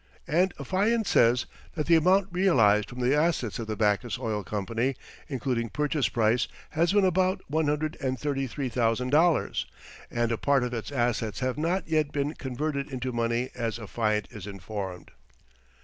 And affiant says that the amount realized from the assets of the Backus Oil Company, including purchase price, has been about one hundred and thirty three thousand dollars ($133,000), and a part of its assets have not yet been converted into money as affiant is informed."